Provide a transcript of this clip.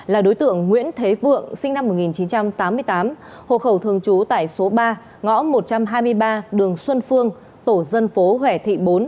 là đối tượng nguyễn thế vượng sinh năm một nghìn chín trăm tám mươi tám hộ khẩu thường trú tại số ba ngõ một trăm hai mươi ba đường xuân phương tổ dân phố hẻ thị bốn